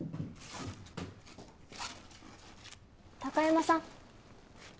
貴山さん。